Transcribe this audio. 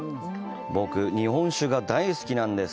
僕、日本酒が大好きなんです！